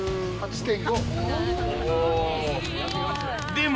でも。